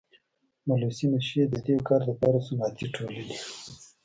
ملوثي نشي ددي کار دپاره صنعتي ټولني.